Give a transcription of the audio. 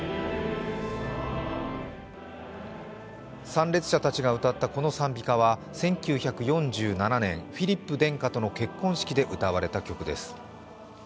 参列者たちが歌ったこの賛美歌は、１９４７年フィリップ殿下との結婚式で歌われた曲です。